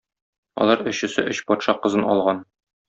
Алар өчесе өч патша кызын алган.